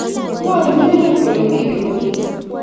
ng'o nemenget kole mi kemeut?